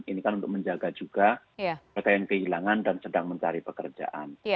ini kan untuk menjaga juga mereka yang kehilangan dan sedang mencari pekerjaan